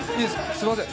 すいません。